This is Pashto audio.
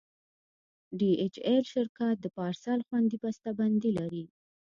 ډي ایچ ایل شرکت د پارسل خوندي بسته بندي لري.